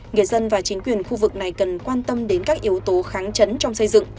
người dân và chính quyền khu vực này cần quan tâm đến các yếu tố kháng chấn trong xây dựng